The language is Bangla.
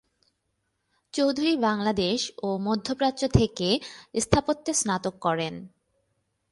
চৌধুরী বাংলাদেশ ও মধ্যপ্রাচ্য থেকে স্থাপত্যে স্নাতক করেন।